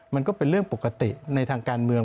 มันก็เป็นเรื่องปกติในทางการเมือง